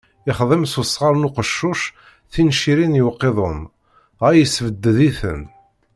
Ixdem s usɣar n uqeccuc tincirin i uqiḍun, dɣa yesbedded-itent.